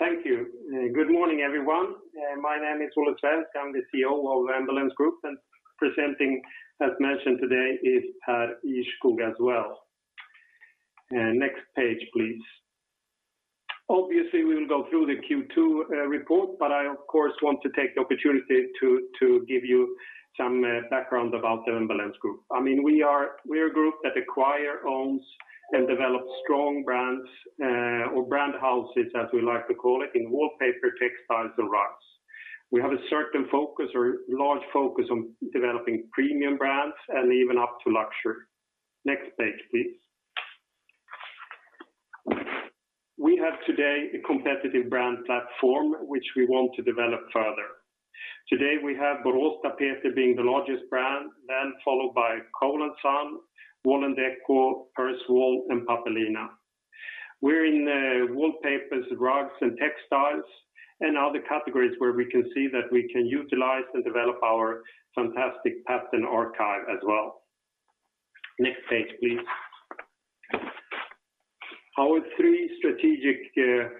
Thank you. Good morning, everyone. My name is Olle Svensk. I'm the CEO of Embellence Group. Presenting, as mentioned today, is Pär Ihrskog as well. Next page, please. Obviously, we will go through the Q2 report. I, of course, want to take the opportunity to give you some background about the Embellence Group. We're a group that acquire, owns, and develops strong brands, or brand houses as we like to call it, in wallpaper, textiles, and rugs. We have a certain focus or large focus on developing premium brands and even up to luxury. Next page, please. We have today a competitive brand platform which we want to develop further. Today, we have Boråstapeter being the largest brand, then followed by Cole & Son, Wall&decò, Perswall, and Pappelina. We're in wallpapers, rugs, and textiles, and other categories where we can see that we can utilize and develop our fantastic pattern archive as well. Next page, please. Our three strategic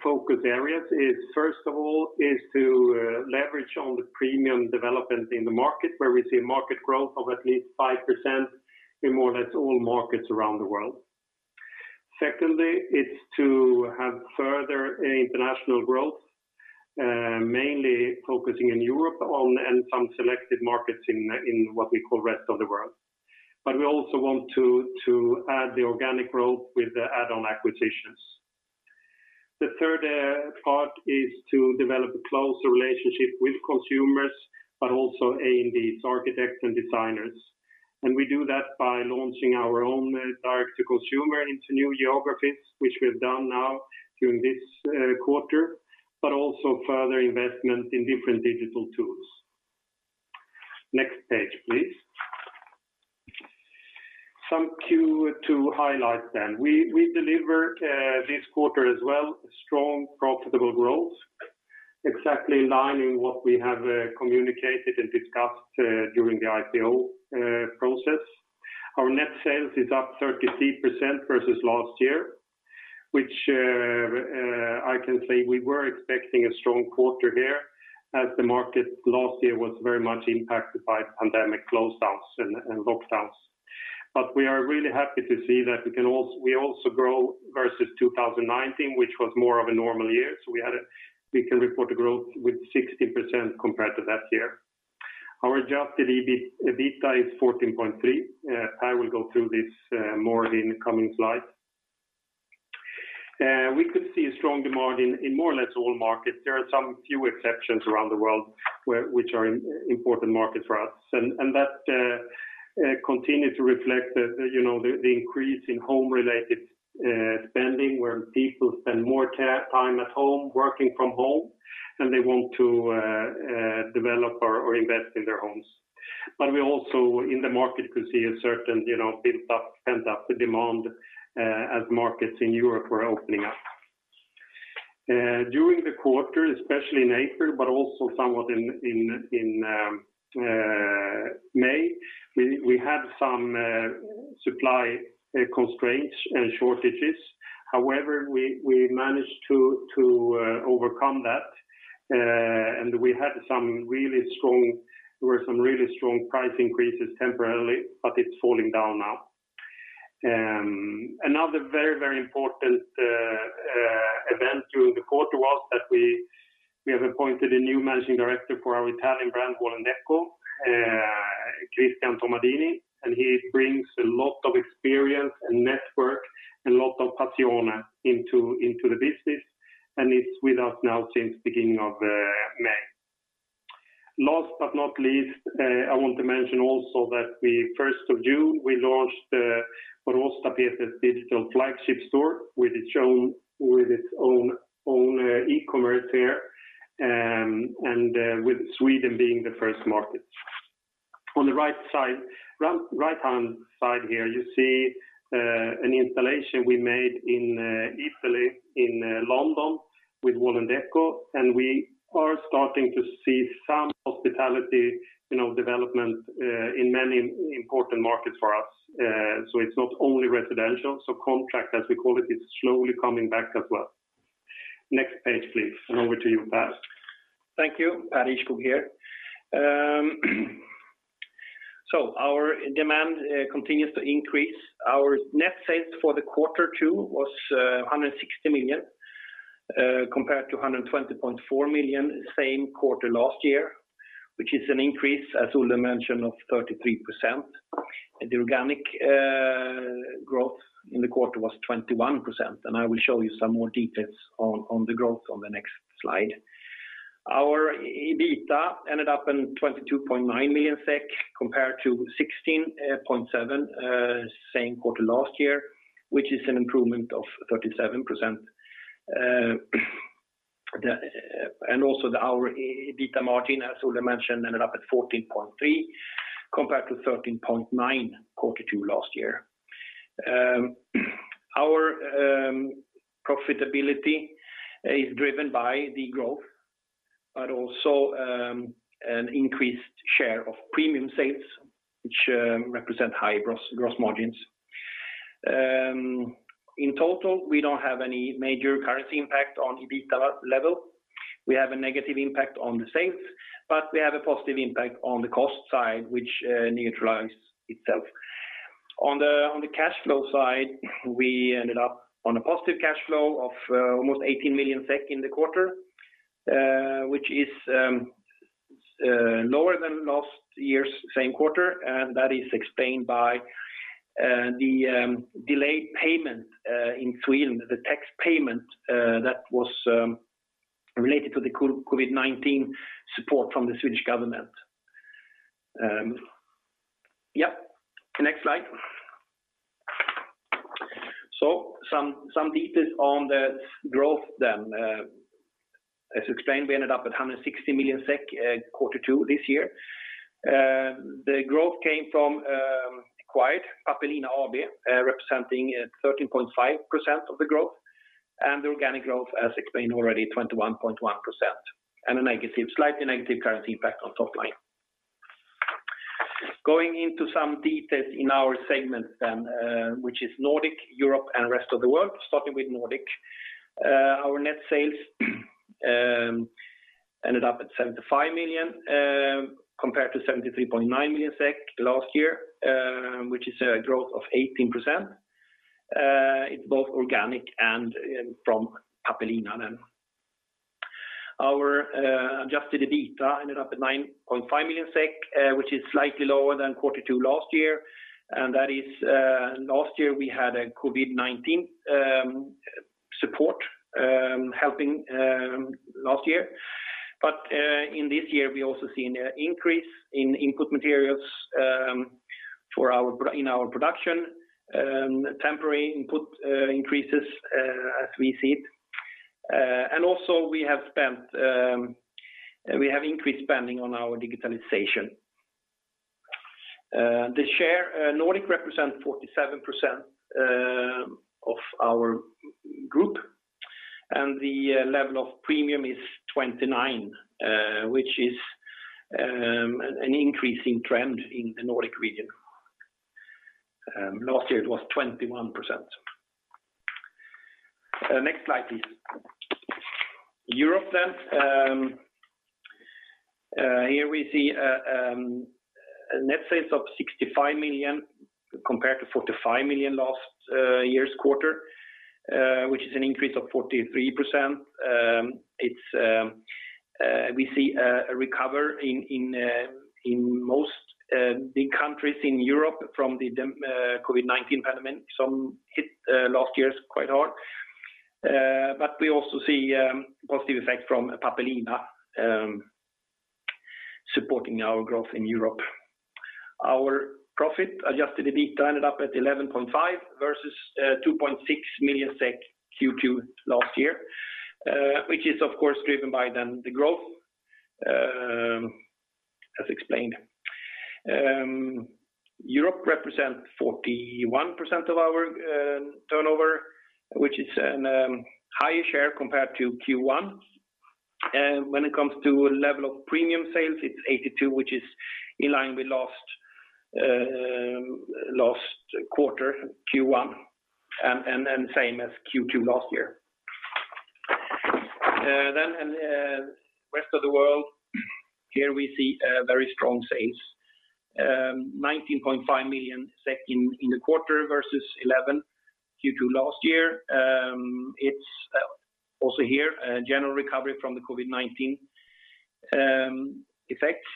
focus areas is first of all, is to leverage on the premium development in the market where we see market growth of at least 5% in more or less all markets around the world. Secondly, it's to have further international growth, mainly focusing in Europe on, and some selected markets in what we call rest of the world. We also want to add the organic growth with the add-on acquisitions. The third part is to develop a closer relationship with consumers, but also aim the architects and designers. We do that by launching our own direct to consumer into new geographies, which we've done now during this quarter, but also further investment in different digital tools. Next page, please. Some Q2 highlights then. We delivered this quarter as well, strong, profitable growth, exactly in line in what we have communicated and discussed during the IPO process. Our net sales is up 33% versus last year, which I can say we were expecting a strong quarter here as the market last year was very much impacted by pandemic close downs and lockdowns. We are really happy to see that we also grow versus 2019, which was more of a normal year. We can report a growth with 16% compared to that year. Our adjusted EBITDA is 14.3%. I will go through this more in the coming slides. We could see a strong demand in more or less all markets. There are some few exceptions around the world which are important markets for us. That continue to reflect the increase in home related spending, where people spend more time at home, working from home, and they want to develop or invest in their homes. We also, in the market, could see a certain pent-up demand as markets in Europe were opening up. During the quarter, especially in April, but also somewhat in May, we had some supply constraints and shortages. However, we managed to overcome that, and there were some really strong price increases temporarily, but it is falling down now. Another very important event during the quarter was that we have appointed a new Managing Director for our Italian brand, Wall&decò, Christian Tomadini, and he brings a lot of experience and network and lot of passion into the business, and he's with us now since beginning of May. Last but not least, I want to mention also that the 1st of June, we launched the Boråstapeter's digital flagship store with its own e-commerce there, with Sweden being the first market. On the right-hand side here, you see an installation we made in Italy, in London with Wall&decò, we are starting to see some hospitality development in many important markets for us. It's not only residential. Contract, as we call it, is slowly coming back as well. Next page, please. Over to you, Pär. Thank you. Pär Ihrskog here. Our demand continues to increase. Our net sales for the quarter two was 160 million, compared to 120.4 million same quarter last year, which is an increase, as Olle mentioned, of 33%. The organic growth in the quarter was 21%. I will show you some more details on the growth on the next slide. Our EBITDA ended up in 22.9 million SEK compared to 16.7 million same quarter last year, which is an improvement of 37%. Also our EBITDA margin, as Olle mentioned, ended up at 14.3% compared to 13.9% quarter two last year. Our profitability is driven by the growth, but also an increased share of premium sales, which represent high gross margins. In total, we don't have any major currency impact on EBITDA level. We have a negative impact on the sales, we have a positive impact on the cost side, which neutralizes itself. On the cash flow side, we ended up on a positive cash flow of almost 18 million SEK in the quarter, which is lower than last year's same quarter, that is explained by the delayed payment in Sweden, the tax payment that was related to the COVID-19 support from the Swedish government. Next slide. Some details on the growth. As explained, we ended up at 160 million SEK quarter two this year. The growth came from acquired Pappelina AB, representing 13.5% of the growth and the organic growth, as explained already, 21.1%. A slightly negative currency impact on top line. Going into some details in our segments, which is Nordic, Europe, and rest of the world, starting with Nordic. Our net sales ended up at 75 million, compared to 73.9 million SEK last year, which is a growth of 18%. It's both organic and from Pappelina. Our adjusted EBITDA ended up at 9.5 million SEK, which is slightly lower than Q2 last year. Last year we had a COVID-19 support helping last year. In this year, we also seen an increase in input materials in our production, temporary input increases as we see it. Also we have increased spending on our digitalization. The share Nordic represents 47% of our group, and the level of premium is 29, which is an increasing trend in the Nordic region. Last year it was 21%. Next slide, please. Europe. Here we see net sales of 65 million compared to 45 million last year's quarter, which is an increase of 43%. We see a recovery in most big countries in Europe from the COVID-19 pandemic. Some hit last year quite hard. We also see positive effect from Pappelina supporting our growth in Europe. Our profit adjusted EBITDA ended up at 11.5 million versus 2.6 million SEK Q2 last year, which is of course driven by then the growth as explained. Europe represents 41% of our turnover, which is a higher share compared to Q1. When it comes to level of premium sales, it's 82%, which is in line with last quarter Q1, and same as Q2 last year. Rest of the world. Here we see very strong sales, 19.5 million in the quarter versus 11 Q2 last year. It's also here a general recovery from the COVID-19 effects.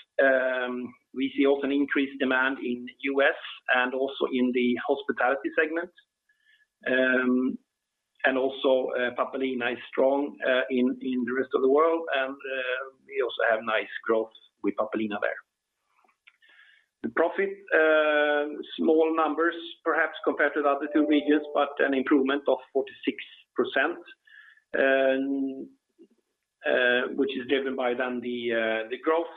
We see also an increased demand in the U.S. and also in the hospitality segment. And also Pappelina is strong in the rest of the world and we also have nice growth with Pappelina there. The profit, small numbers perhaps compared to the other two regions, but an improvement of 46% which is driven by then the growth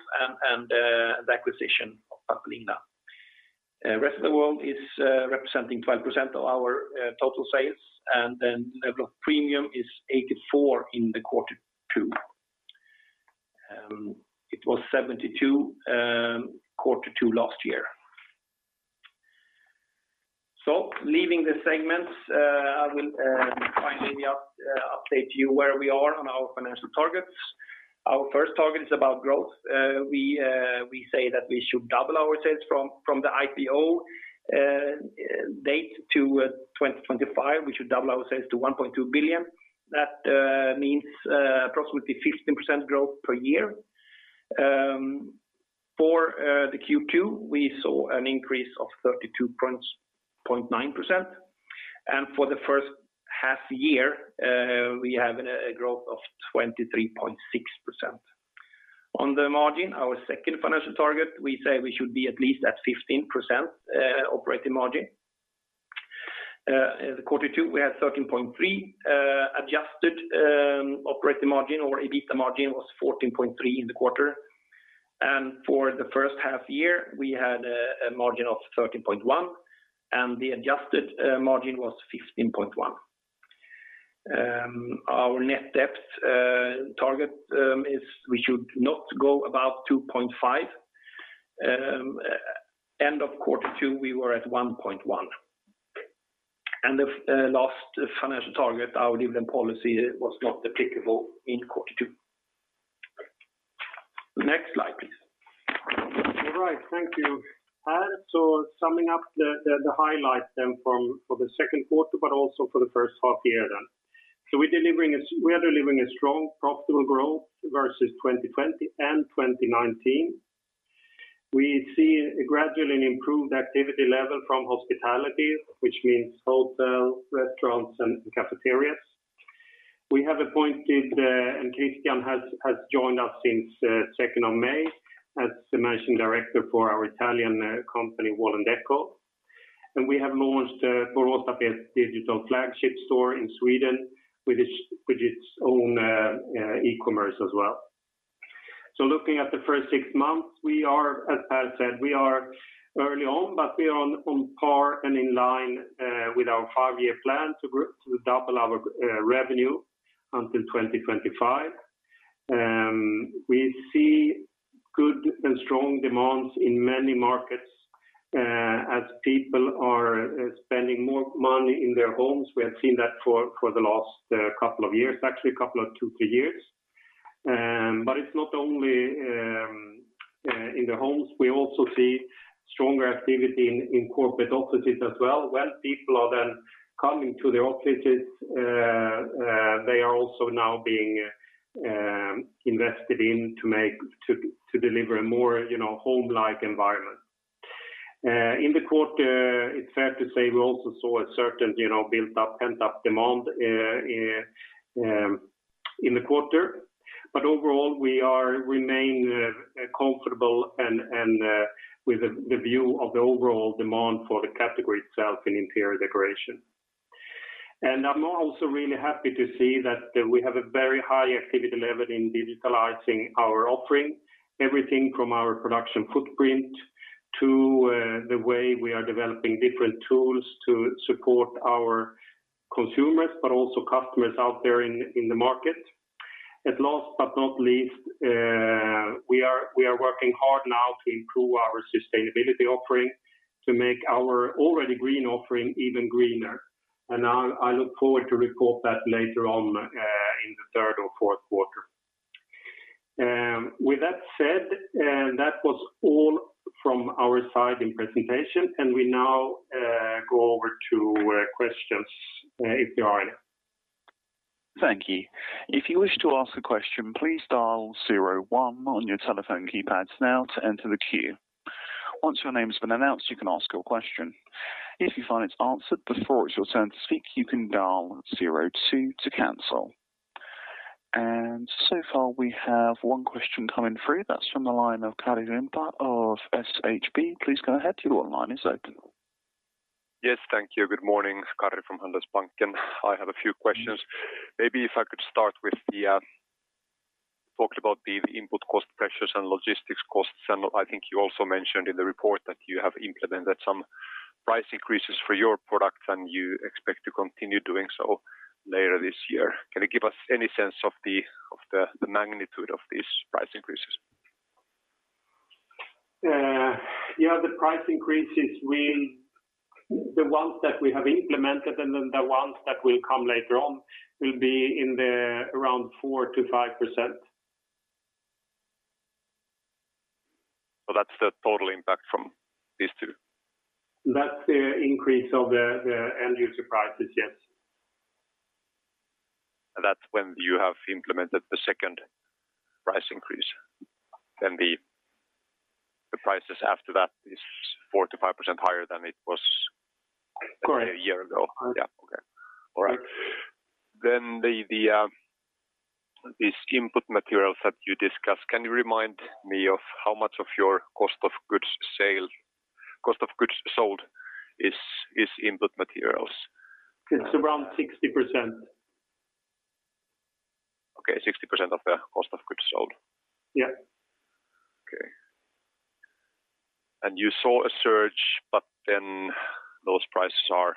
and the acquisition of Pappelina. Rest of the world is representing 12% of our total sales, level of premium is 84% in the quarter two. It was 72% quarter two last year. Leaving the segments, I will finally update you where we are on our financial targets. Our first target is about growth. We say that we should double our sales from the IPO date to 2025. We should double our sales to 1.2 billion. That means approximately 15% growth per year. For the Q2, we saw an increase of 32.9%. For the first half year, we have a growth of 23.6%. On the margin, our second financial target, we say we should be at least at 15% operating margin. The quarter two, we had 13.3% adjusted operating margin or EBITDA margin was 14.3% in the quarter. For the first half-year, we had a margin of 13.1% and the adjusted margin was 15.1%. Our net debt target is we should not go above 2.5. End of Q2, we were at 1.1. The last financial target, our dividend policy was not applicable in Q2. Next slide, please. All right, thank you. Summing up the highlights for the second quarter, but also for the first half year. We are delivering a strong, profitable growth versus 2020 and 2019. We see a gradually improved activity level from hospitality, which means hotels, restaurants, and cafeterias. We have appointed, and Christian has joined us since 2nd of May as the managing director for our Italian company, Wall&decò. We have launched the Boråstapeter digital flagship store in Sweden, with its own e-commerce as well. Looking at the first six months, as I said, we are early on, but we are on par and in line with our five year plan to double our revenue until 2025. We see good and strong demands in many markets as people are spending more money in their homes. We have seen that for the last couple of years, actually a couple of two, three years. It's not only in the homes. We also see stronger activity in corporate offices as well. When people are then coming to their offices, they are also now being invested in to deliver a more home-like environment. In the quarter, it's fair to say we also saw a certain pent-up demand in the quarter. Overall, we remain comfortable with the view of the overall demand for the category itself in interior decoration. I'm also really happy to see that we have a very high activity level in digitalizing our offering, everything from our production footprint to the way we are developing different tools to support our consumers, but also customers out there in the market. Last but not least, we are working hard now to improve our sustainability offering to make our already green offering even greener. I look forward to report that later on in the third or fourth quarter. With that said, that was all from our side in presentation, and we now go over to questions if there are any. Thank you. If you wish to ask a question, please dial zero one on your telephone keypads now to enter the queue. Once your name's been announced, you can ask your question. If you find it's answered before it's your turn to speak, you can dial zero two to cancel. So far, we have one question coming through. That's from the line of Karri Rinta of SHB. Please go ahead, your line is open. Yes, thank you. Good morning, Karri from Handelsbanken. I have a few questions. Maybe if I could start with the talk about the input cost pressures and logistics costs. I think you also mentioned in the report that you have implemented some price increases for your products, and you expect to continue doing so later this year. Can you give us any sense of the magnitude of these price increases? Yeah, the price increases, the ones that we have implemented and then the ones that will come later on will be in around 4%-5%. That's the total impact from these two? That's the increase of the end-user prices, yes. That's when you have implemented the second price increase, then the prices after that is 4%-5% higher than it was a year ago? Correct. Yeah. Okay. All right. These input materials that you discussed, can you remind me of how much of your cost of goods sold is input materials? It's around 60%. Okay, 60% of the cost of goods sold? Yeah. Okay. You saw a surge, but then those prices are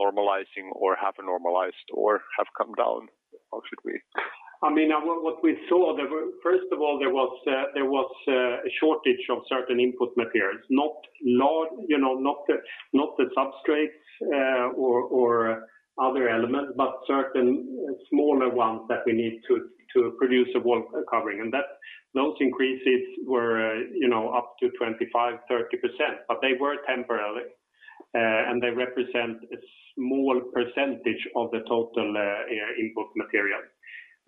normalizing or have normalized or have come down, or should we? What we saw, first of all, there was a shortage of certain input materials, not the substrates or other elements, but certain smaller ones that we need to produce a wall covering. Those increases were up to 25%, 30%, but they were temporary, and they represent a small percentage of the total input material.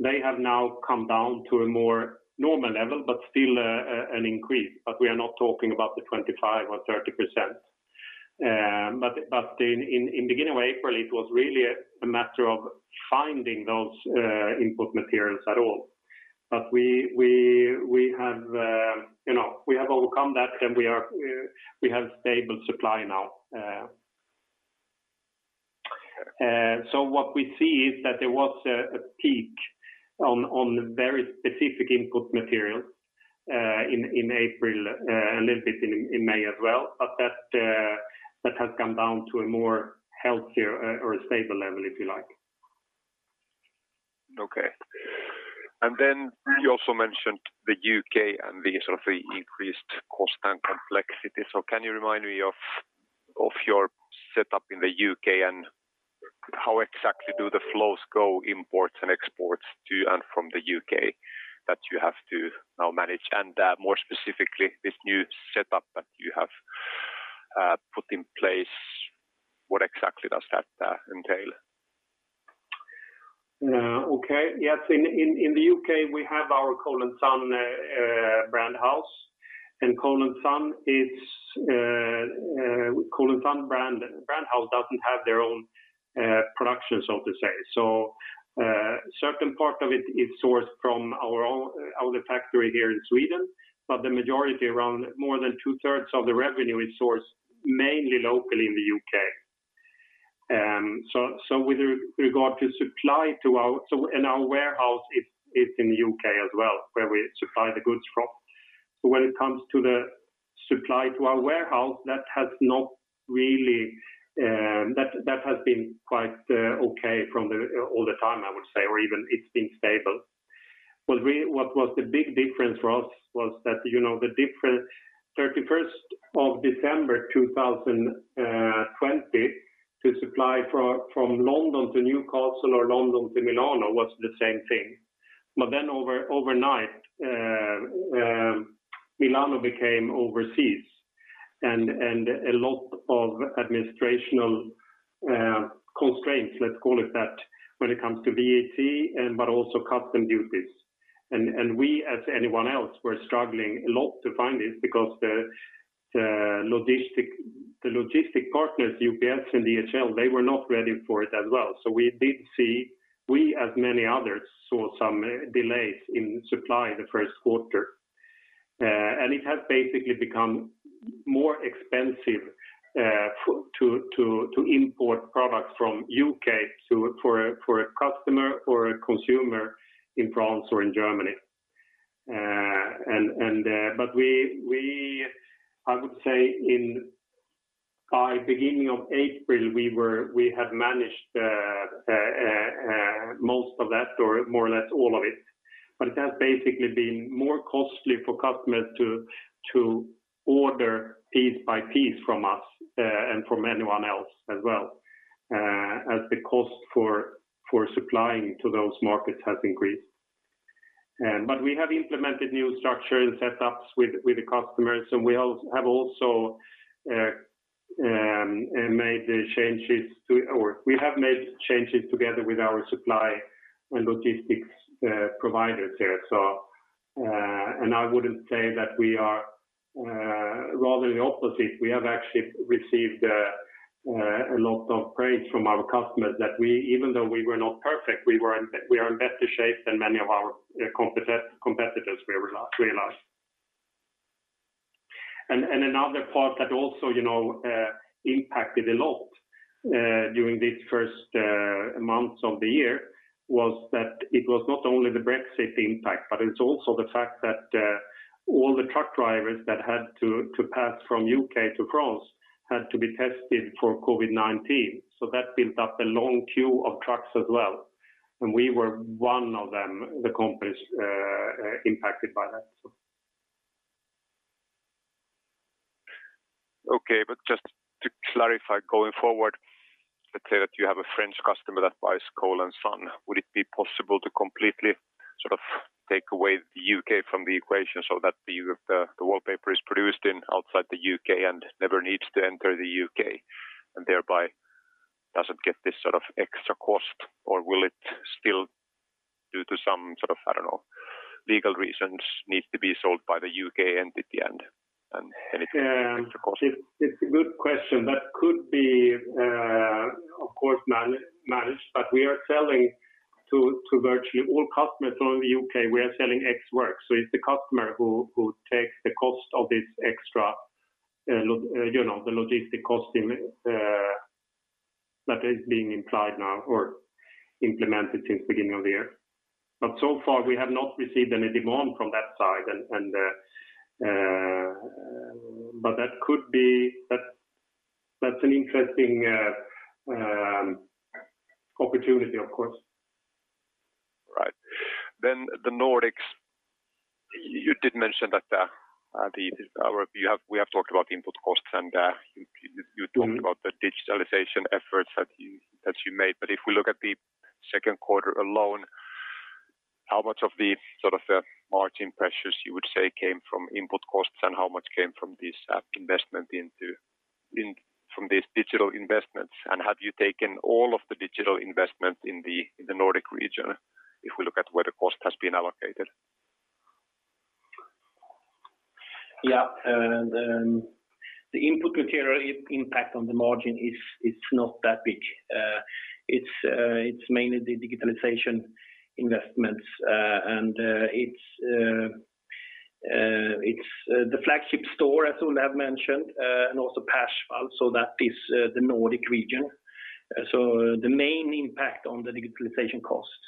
They have now come down to a more normal level, but still an increase, but we are not talking about the 25% or 30%. In beginning of April, it was really a matter of finding those input materials at all. We have overcome that, and we have stable supply now. What we see is that there was a peak on very specific input materials in April, a little bit in May as well. That has come down to a healthier or a stable level, if you like. Okay. You also mentioned the U.K. and the increased cost and complexity. Can you remind me of your setup in the U.K. and how exactly do the flows go imports and exports to and from the U.K. that you have to now manage? More specifically, this new setup that you have put in place, what exactly does that entail? In the U.K., we have our Cole & Son brand house. Cole & Son brand house doesn't have their own production, so to say. Certain part of it is sourced from our factory here in Sweden, but the majority, more than two-thirds of the revenue is sourced mainly locally in the U.K. Our warehouse is in the U.K. as well, where we supply the goods from. When it comes to the supply to our warehouse, that has been quite okay from the all the time, I would say, or even it's been stable. What was the big difference for us was that the 31st of December 2020, to supply from London to Newcastle or London to Milano was the same thing. Overnight, Milano became overseas and a lot of administrational constraints, let's call it that, when it comes to VAT but also customs duties. We, as anyone else, were struggling a lot to find this because the logistic partners, UPS and DHL, they were not ready for it as well. We, as many others, saw some delays in supply the first quarter. It has basically become more expensive to import products from U.K. for a customer or a consumer in France or in Germany. I would say by beginning of April, we had managed most of that or more or less all of it, but it has basically been more costly for customers to order piece by piece from us, and from anyone else as well, as the cost for supplying to those markets has increased. We have implemented new structures and setups with the customers, and we have also made changes together with our supply and logistics providers there. I wouldn't say that we are rather the opposite. We have actually received a lot of praise from our customers that even though we were not perfect, we are in better shape than many of our competitors, we realized. Another part that also impacted a lot during these first months of the year was that it was not only the Brexit impact, but it's also the fact that all the truck drivers that had to pass from U.K. to France had to be tested for COVID-19. That built up a long queue of trucks as well, and we were one of the companies impacted by that. Okay. Just to clarify going forward, let's say that you have a French customer that buys Cole & Son. Would it be possible to completely take away the U.K. from the equation so that the wallpaper is produced outside the U.K. and never needs to enter the U.K., and thereby doesn't get this extra cost? Will it still, due to some sort of legal reasons, need to be sold by the U.K. entity and anything extra cost? It's a good question. That could be, of course, managed, but we are selling to virtually all customers all over the U.K. We are selling ex works. It's the customer who takes the cost of this extra logistic cost that is being implied now or implemented since beginning of the year. So far, we have not received any demand from that side. That's an interesting opportunity, of course. Right. The Nordics, you did mention that we have talked about input costs, and you talked about the digitalization efforts that you made. If we look at the second quarter alone, how much of the margin pressures you would say came from input costs, and how much came from these digital investments? Have you taken all of the digital investment in the Nordic region if we look at where the cost has been allocated? Yeah. The input material impact on the margin is not that big. It's mainly the digitalization investments, and it's It's the flagship store, as Olle Svensk have mentioned, and also Mr Perswall, so that is the Nordic region. The main impact on the digitalization cost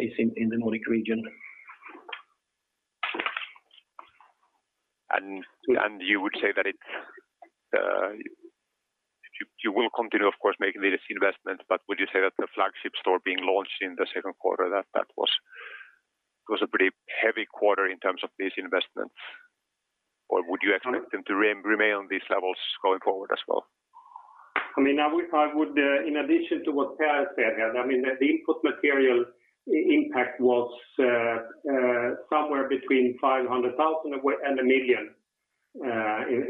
is in the Nordic region. You would say that you will continue, of course, making these investments, but would you say that the flagship store being launched in the second quarter, that was a pretty heavy quarter in terms of these investments? Or would you expect them to remain on these levels going forward as well? In addition to what Pär said here, the input material impact was somewhere between 500,000 and 1 million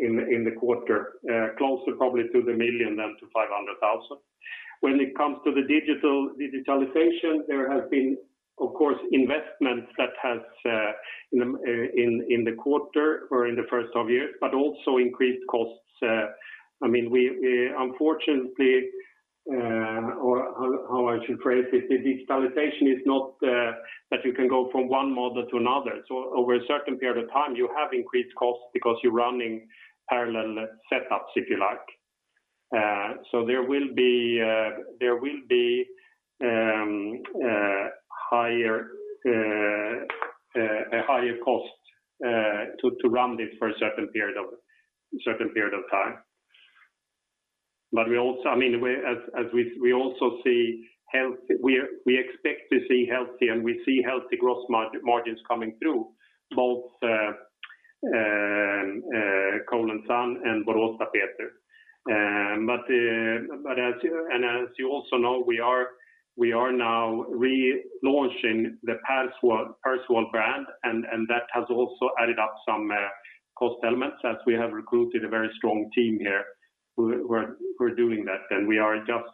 in the quarter. Closer probably to 1 million than to 500,000. When it comes to the digitalization, there has been, of course, investments that has, in the quarter or in the first half year, but also increased costs. Unfortunately, or how I should phrase it, the digitalization is not that you can go from one model to another. Over a certain period of time, you have increased costs because you're running parallel setups, if you like. There will be a higher cost to run this for a certain period of time. We expect to see healthy, and we see healthy gross margins coming through both Cole & Son and Boråstapeter. As you also know, we are now relaunching the Perswall brand, and that has also added up some cost elements as we have recruited a very strong team here who are doing that. We are just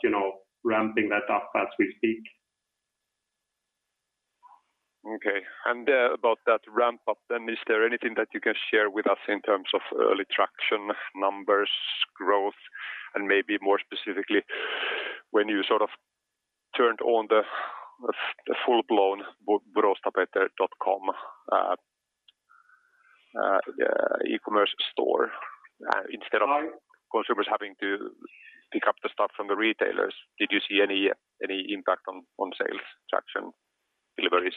ramping that up as we speak. Okay. About that ramp-up, then, is there anything that you can share with us in terms of early traction, numbers, growth, and maybe more specifically, when you sort of turned on the full-blown borastapeter.com e-commerce store instead of consumers having to pick up the stock from the retailers? Did you see any impact on sales traction deliveries?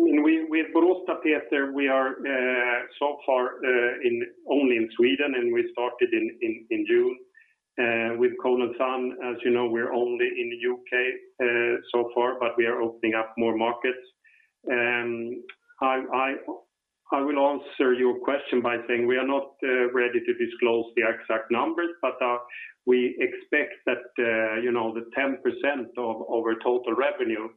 With Boråstapeter, we are so far only in Sweden, and we started in June. With Cole & Son, as you know, we're only in the U.K. so far, but we are opening up more markets. I will answer your question by saying we are not ready to disclose the exact numbers, but we expect that the 10% of our total revenue,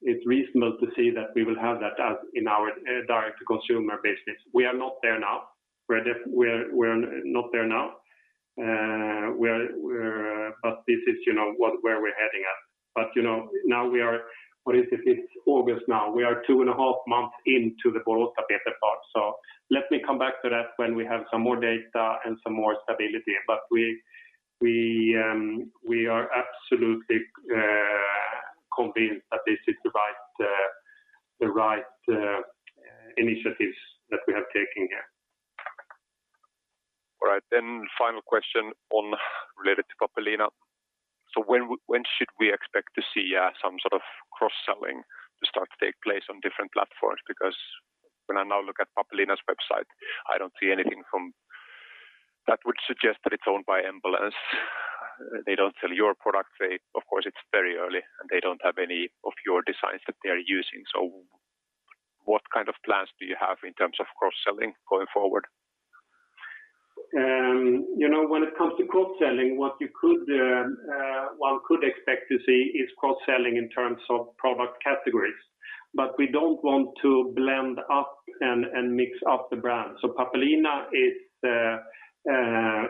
it's reasonable to say that we will have that in our direct-to-consumer business. We're not there now. This is where we're heading at. It's August now. We are two and a half months into the Boråstapeter part, so let me come back to that when we have some more data and some more stability. We are absolutely convinced that this is the right initiatives that we have taken here. All right. Final question related to Pappelina. When should we expect to see some sort of cross-selling to start to take place on different platforms? Because when I now look at Pappelina's website, I don't see anything that would suggest that it's owned by Embellence. They don't sell your products. Of course, it's very early, and they don't have any of your designs that they're using. What kind of plans do you have in terms of cross-selling going forward? When it comes to cross-selling, what one could expect to see is cross-selling in terms of product categories. We don't want to blend up and mix up the brands. Pappelina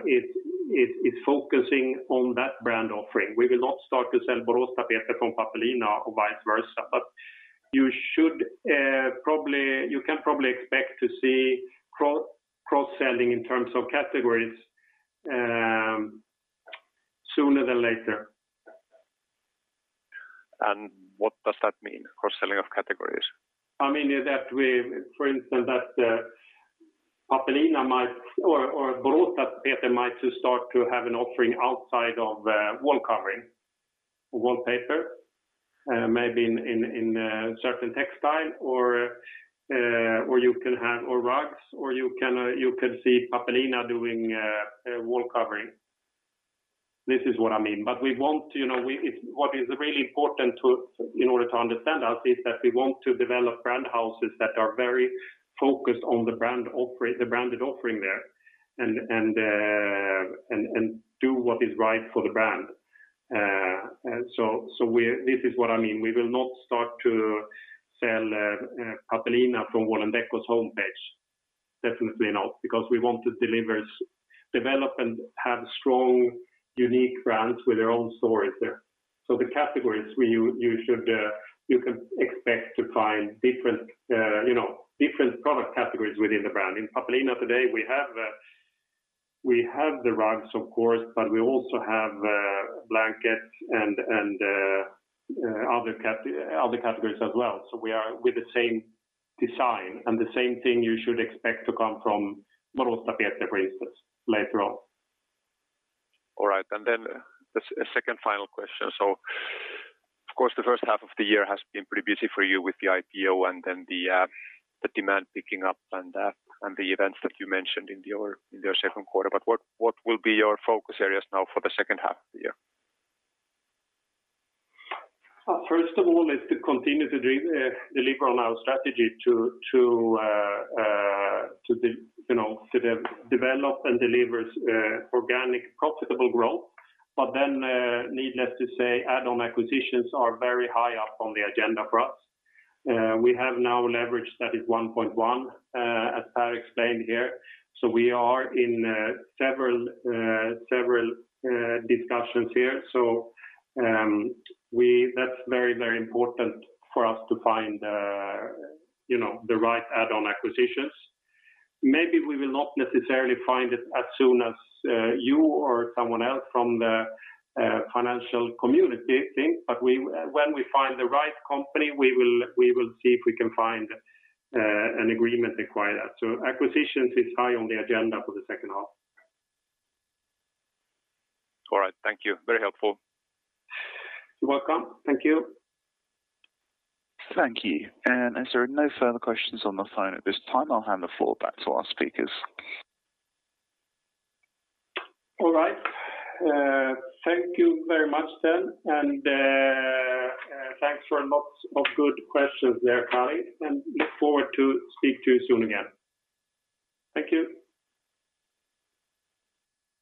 is focusing on that brand offering. We will not start to sell Boråstapeter from Pappelina or vice versa. You can probably expect to see cross-selling in terms of categories sooner than later. What does that mean, cross-selling of categories? That, for instance, that Boråstapeter might start to have an offering outside of wallcovering or wallpaper, maybe in certain textile or rugs, or you can see Pappelina doing wallcovering. This is what I mean. What is really important in order to understand us is that we want to develop brand houses that are very focused on the branded offering there and do what is right for the brand. This is what I mean. We will not start to sell Pappelina from Wall&decò's homepage. Definitely not, because we want to develop and have strong, unique brands with their own stories there. The categories you can expect to find different product categories within the brand. In Pappelina today, we have the rugs, of course, but we also have blankets and other categories as well. We are with the same design and the same thing you should expect to come from Boråstapeter, for instance, later on. All right. A second final question. Of course, the first half of the year has been pretty busy for you with the IPO and the demand picking up and the events that you mentioned in your second quarter. What will be your focus areas now for the second half of the year? First of all, is to continue to deliver on our strategy to develop and deliver organic profitable growth. Needless to say, add-on acquisitions are very high up on the agenda for us. We have now leverage that is 1.1, as Pär Ihrskog explained here. We are in several discussions here. That's very important for us to find the right add-on acquisitions. Maybe we will not necessarily find it as soon as you or someone else from the financial community thinks. When we find the right company, we will see if we can find an agreement to acquire that. Acquisitions is high on the agenda for the second half. All right. Thank you. Very helpful. You're welcome. Thank you. Thank you. As there are no further questions on the phone at this time, I'll hand the floor back to our speakers. All right. Thank you very much, then. Thanks for lots of good questions there, Karri, and look forward to speak to you soon again. Thank you.